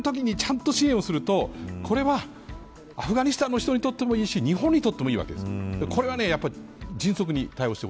こういうときに、ちゃんと支援をすると、これはアフガニスタンにとってもいいし日本にとってもいいわけです。